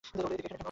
এদিকে, এখানে ওঠো!